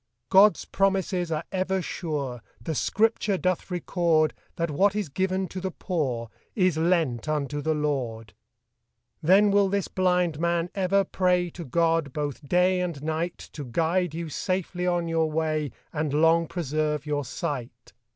God's promises are ever sure, • The scripture. <doth record That what is given to the poor ! Is lent unto the Lord. I Then will this blind man over pray ! To God both day and night I To guide you safely on your way, ! And long preserve your sight.